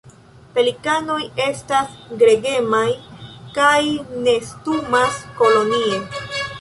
Pelikanoj estas gregemaj kaj nestumas kolonie.